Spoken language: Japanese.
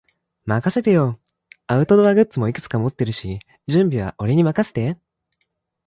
任せてよ。アウトドアグッズもいくつか持ってるし、準備は俺に任せて。